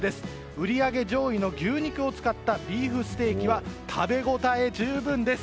売り上げ上位の牛肉を使ったビーフステーキは食べ応え十分です。